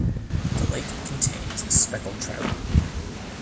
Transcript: The lake contains speckled trout.